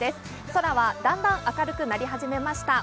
空はだんだん明るくなり始めました。